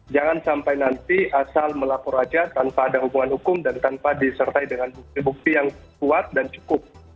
jangan sampai nanti asal melapor aja tanpa ada hubungan hukum dan tanpa disertai dengan bukti bukti yang kuat dan cukup